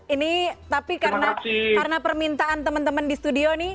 ini tapi karena permintaan teman teman di studio nih